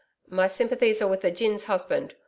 'My sympathies are with the gin's husband.